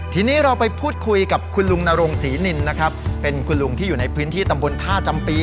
ทีนี้เราไปพูดคุยกับคุณลุงนรงศรีนินนะครับเป็นคุณลุงที่อยู่ในพื้นที่ตำบลท่าจำปี